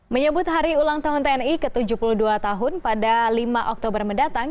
menyebut hari ulang tahun tni ke tujuh puluh dua tahun pada lima oktober mendatang